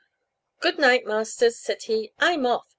"Good night, masters," said he, "I'm off!